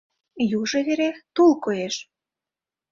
Южо вере тул коеш.